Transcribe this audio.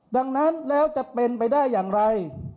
ดังนั้นแล้วจะเป็นไปได้อย่างไร